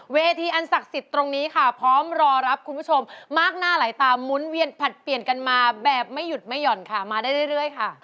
เวทีอันศักดิ์สิทธิ์ตรงนี้ค่ะพร้อมรอรับคุณผู้ชมมากหน้าหลายตามุ้นเวียนผลัดเปลี่ยนกันมาแบบไม่หยุดไม่ห่อนค่ะมาได้เรื่อยค่ะ